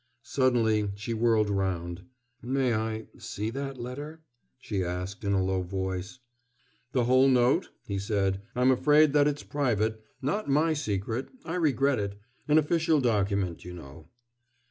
Suddenly she whirled round. "May I see that letter?" she asked in a low voice. "The whole note?" he said; "I'm afraid that it's private not my secret I regret it an official document, you know."